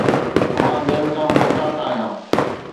مان ٻين کان محتاط آهيان